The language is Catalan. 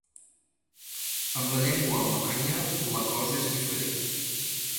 Amb la llengua alemanya la cosa és diferent.